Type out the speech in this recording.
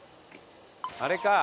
あれか。